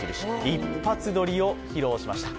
一発撮りを披露しました。